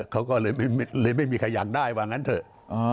เขาก็เลยไม่มีใครอยากได้ว่างั้นเถอะ